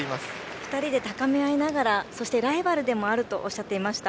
２人で高め合いながらそしてライバルでもあるとおっしゃっていました。